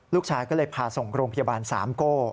ลูกชายก็เลยพาส่งโรงพยาบาลสามโก้